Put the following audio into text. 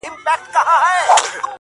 پر هر ګام باندي لحد او کفن زما دی!.